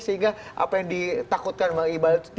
sehingga apa yang ditakutkan mengibal itu tidak